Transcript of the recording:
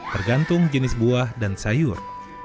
tergantung jenis buah dan sayur